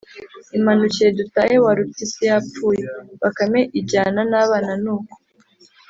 “Imanukire dutahe, Warupyisi yapfuye.” Bakame ijyana n’abana, nuko